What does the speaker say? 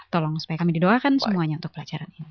tolong supaya kami didoakan semuanya untuk pelajaran ini